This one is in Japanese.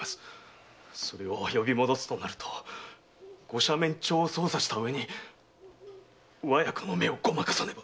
それを呼び戻すとなるとご赦免帳を操作したうえに上役の目をごまかさねば。